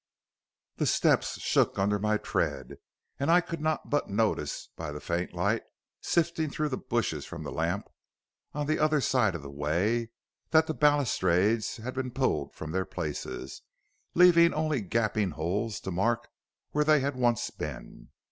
The steps shook under my tread, and I could not but notice by the faint light sifting through the bushes from the lamp on the other side of the way, that the balustrades had been pulled from their places, leaving only gaping holes to mark where they had once been.